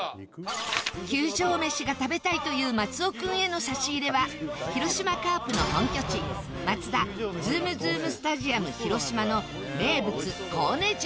球場メシが食べたいという松尾君への差し入れは広島カープの本拠地 ＭＡＺＤＡＺｏｏｍ−Ｚｏｏｍ スタジアム広島の名物コウネ重